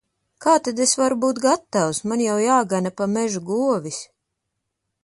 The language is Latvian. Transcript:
Kā tad es varu būt gatavs! Man jau jāgana pa mežu govis.